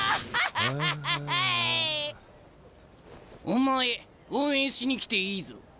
お前応援しに来ていいぞ。